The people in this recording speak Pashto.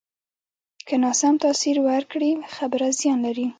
که ناسم تاثر ورکړې، خبره زیان لري